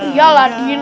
iya lah dini